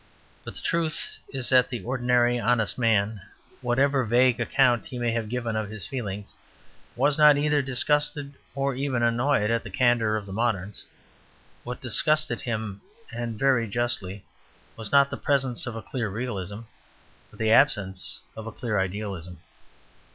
But the truth is that the ordinary honest man, whatever vague account he may have given of his feelings, was not either disgusted or even annoyed at the candour of the moderns. What disgusted him, and very justly, was not the presence of a clear realism, but the absence of a clear idealism.